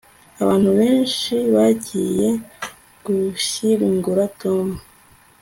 abantu benshi bagiye gushyingura tom